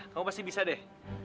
kamu pasti bisa deh